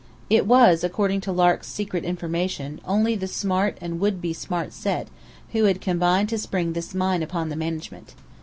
It was, according to Lark's secret information, only the "smart and would be smart set" who had combined to spring this mine upon the management.